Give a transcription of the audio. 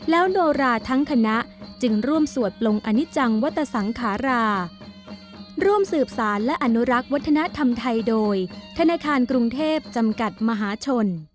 แล้วโนราทั้งคณะจึงร่วมสวดปลงอนิจังวัตสังขาราร่วมสืบสารและอนุรักษ์วัฒนธรรมไทยโดยธนาคารกรุงเทพจำกัดมหาชน